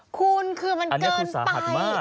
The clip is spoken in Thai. คุณคือมันเกินไป